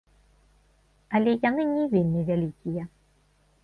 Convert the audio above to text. Але яны не вельмі вялікія.